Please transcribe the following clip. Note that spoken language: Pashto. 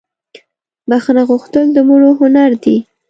بخښنه غوښتل دمړو هنردي